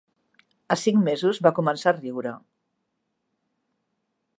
A cinc mesos va començar a riure